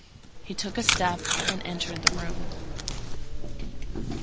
He took a step and entered the room.